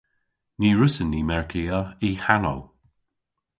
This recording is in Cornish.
Ny wrussyn ni merkya y hanow.